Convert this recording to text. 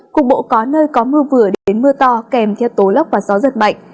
cục bộ có nơi có mưa vừa đến mưa to kèm theo tối lốc và gió giật bệnh